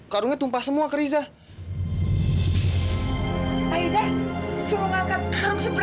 karungnya tumpah semua ke rizal